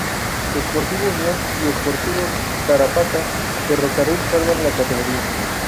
Sportivo Unión y Sportivo Tarapacá Ferrocarril salvan la categoría.